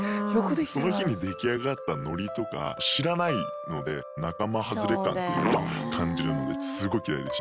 その日に出来上がったノリとか知らないので仲間外れ感というのを感じるのですごい嫌いでしたね。